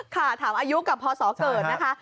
ค่ะถามอายุกับพศเกิดนะคะ